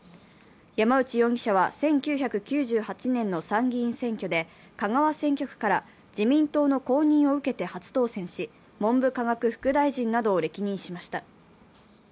山内容疑者は１９９８年の参議院選挙で香川選挙区から自民党の公認を受けて初当選し文部科学副大臣などを歴任しました。